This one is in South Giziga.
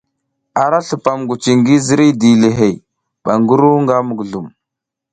Ara slupam ngwici ngi dilihey ba ngi ru nga muguzlum.